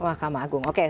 mahkamah agung oke